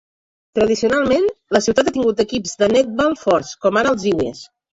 Tradicionalment, la ciutat ha tingut equips de netball forts, com ara els Ewes.